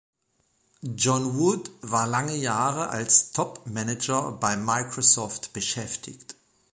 John Wood war lange Jahre als Top-Manager bei Microsoft beschäftigt.